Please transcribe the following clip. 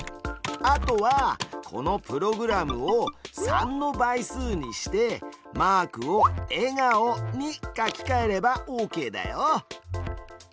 あとはこのプログラムを３の倍数にしてマークを笑顔に書きかえればオーケーだよ。